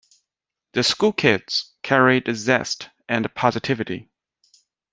The school kids carried zest and positivity.